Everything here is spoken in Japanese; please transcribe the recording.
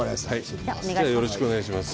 よろしくお願いします。